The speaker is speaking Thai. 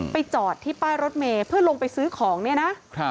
จอดที่ป้ายรถเมย์เพื่อลงไปซื้อของเนี่ยนะ